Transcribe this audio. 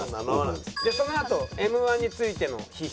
そのあとＭ−１についての批評。